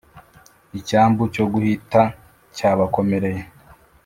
Icyambu cyo guhita Cyabakomereye.